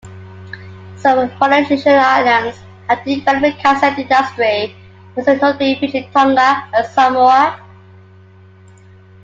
Some Polynesian islands have developed a cassette industry, most notably Fiji, Tonga and Samoa.